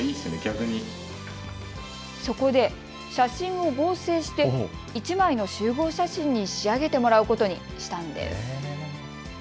そこで、写真を合成して１枚の集合写真に仕上げてもらうことにしたんです。